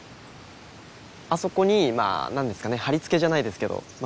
あそこにまあ何ですかねはりつけじゃないですけどまあ